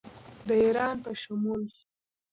د ایران په شمول